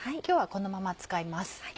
今日はこのまま使います。